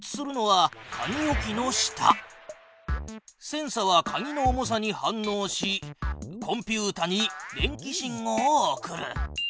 センサは鍵の重さに反のうしコンピュータに電気信号を送る。